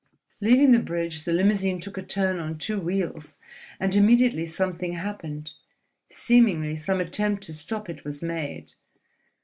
Leaving the bridge, the limousine took a turn on two wheels, and immediately something happened, seemingly some attempt to stop it was made.